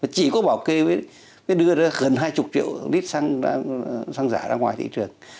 chỉ có bảo kê mới đưa ra gần hai mươi triệu lít xăng giả ra ngoài thị trường